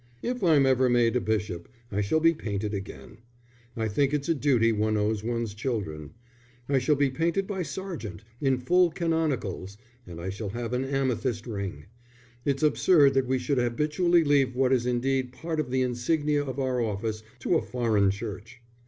"If I'm ever made a bishop I shall be painted again. I think it's a duty one owes one's children. I shall be painted by Sargent, in full canonicals, and I shall have an amethyst ring. It's absurd that we should habitually leave what is indeed part of the insignia of our office to a foreign Church.